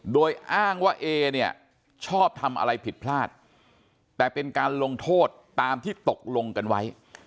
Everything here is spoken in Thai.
โดยอ้างว่าเอเนี่ยชอบทำอะไรผิดพลาดแต่เป็นการลงโทษตามที่ตกลงกันไว้